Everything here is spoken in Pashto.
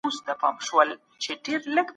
که توري سره ورته نه وي نو په ماشین کي نښه ښکاري.